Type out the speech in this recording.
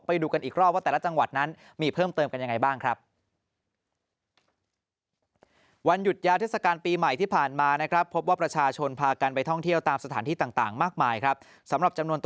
ไปดูกันอีกรอบว่าแต่ละจังหวัดนั้นมีเพิ่มเติมกันยังไงบ้างครับ